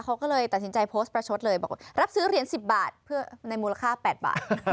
เขาก็เลยตัดสินใจโพสต์ประชดเลยบอกว่ารับซื้อเหรียญ๑๐บาทเพื่อในมูลค่า๘บาท